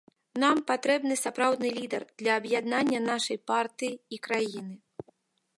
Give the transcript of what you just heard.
Нам патрэбны сапраўдны лідар для аб'яднання нашай партыі і краіны.